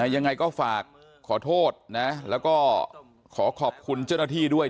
ยังไงก็ฝากขอโทษนะแล้วก็ขอขอบคุณเจ้าหน้าที่ด้วย